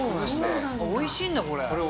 美味しいんだこれ。